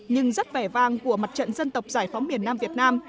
nhưng rất vẻ vang của mặt trận dân tộc giải phóng miền nam việt nam